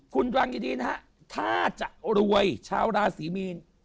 คุณฟังดีนะฮะถ้าจะรวยชาวราศีมีน